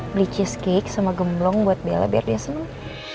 beli cheesecake sama gemblong buat bela biar dia senang